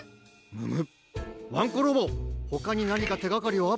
むむっワンコロボほかになにかてがかりは？